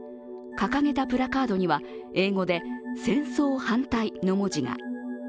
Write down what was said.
掲げたプラカードには、英語で戦争反対の文字が。